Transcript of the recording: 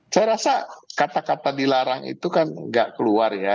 saya rasa kata kata dilarang itu kan nggak keluar ya